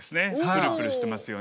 プルプルしてますよね。